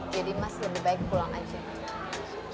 jadi mas lebih baik pulang aja